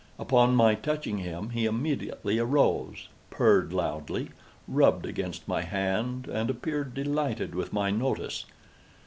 Upon my touching him, he immediately arose, purred loudly, rubbed against my hand, and appeared delighted with my notice.